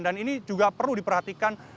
dan ini juga perlu diperhatikan